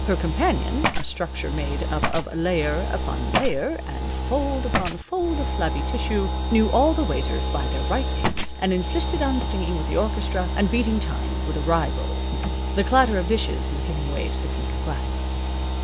Her companion a structure made up of layer upon layer, and fold upon fold of flabby tissue knew all the waiters by their right names, and insisted on singing with the orchestra and beating time with a rye roll. The clatter of dishes was giving way to the clink of glasses.